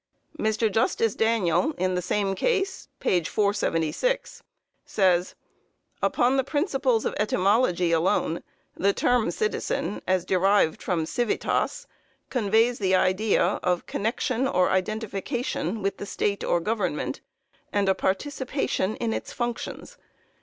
Mr. Justice Daniel, in the same case, (p. 476), says: "Upon the principles of etymology alone, the term citizen, as derived from civitas, conveys the idea of connection or identification with the state or government, and a participation in its functions.